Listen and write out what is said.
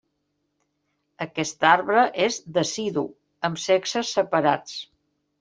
Aquest arbre és decidu, amb sexes separats.